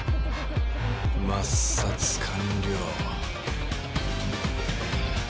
抹殺完了。